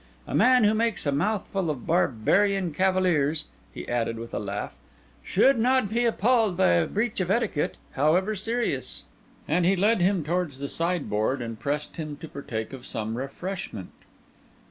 A man who makes a mouthful of barbarian cavaliers," he added with a laugh, "should not be appalled by a breach of etiquette, however serious." And he led him towards the sideboard and pressed him to partake of some refreshment.